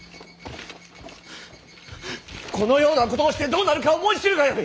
このようなことをしてどうなるか思い知るがよい！